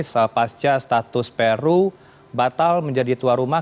sepasca status peru batal menjadi tuan rumah